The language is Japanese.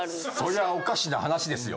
そりゃおかしな話ですよ。